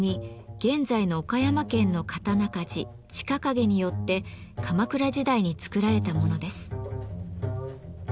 現在の岡山県の刀鍛冶近景によって鎌倉時代に作られたものです。